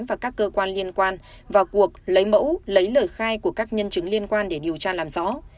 và các cơ quan liên quan vào cuộc lấy mẫu lấy lời khai của các nhân chứng liên quan để điều tra làm rõ